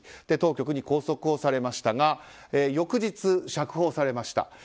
当局に拘束をされましたが翌日、釈放されました。